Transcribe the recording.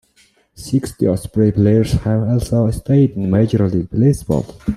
Sixty Osprey players have also played in Major League Baseball.